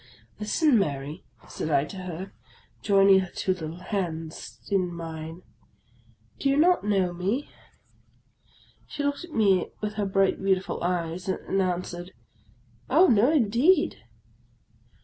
" Listen, Mary," said I to her, joining her two little hands iu mine. " Do you not know me? " She looked at me with her bright beautiful eyes and an swered,— "Oh, no indeed."